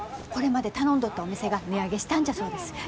これまで頼んどったお店が値上げしたんじゃそうです。